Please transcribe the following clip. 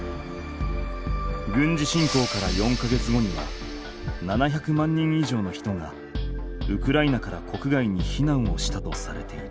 軍事侵攻から４か月後には７００万人以上の人がウクライナから国外に避難をしたとされている。